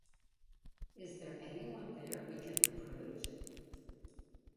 Is there anyone we can recruit?